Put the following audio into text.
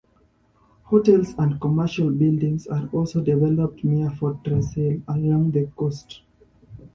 Hotels and commercial buildings are also developed near Fortress Hill along the coast.